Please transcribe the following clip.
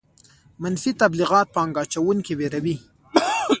منفي تبلیغات پانګه اچوونکي ویروي.